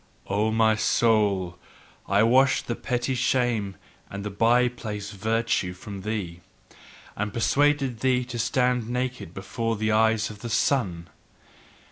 O my soul, I washed the petty shame and the by place virtue from thee, and persuaded thee to stand naked before the eyes of the sun.